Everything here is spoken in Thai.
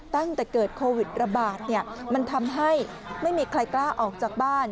ตั้งแต่เกิดโควิดระบาดมันทำให้ไม่มีใครกล้าออกจากบ้าน